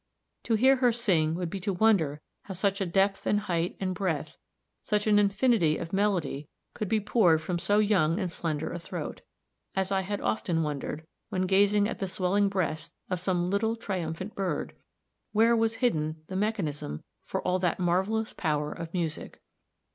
To hear her sing would be to wonder how such a depth and hight and breadth, such an infinity of melody, could be poured from so young and slender a throat as I had often wondered, when gazing at the swelling breast of some little triumphant bird, where was hidden the mechanism for all that marvelous power of music.